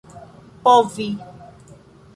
povi